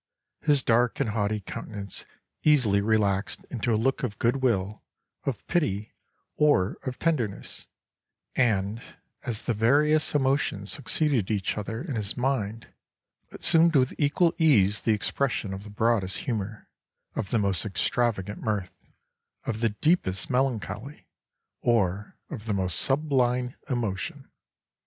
His dark and haughty countenance easily relaxed into a look of good will, of pity, or of tenderness, and, as the various emotions succeeded each other in his mind, assumed with equal ease the expression of the broadest humour, of the most extravagant mirth, of the deepest melancholy, or of the most sublime emotion.